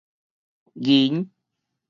睨